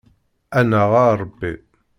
Annaɣ a Ṛebbi!